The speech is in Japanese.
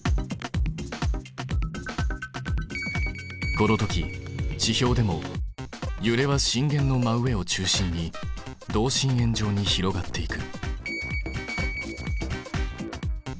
このとき地表でもゆれは震源の真上を中心に同心円状に広がっていく。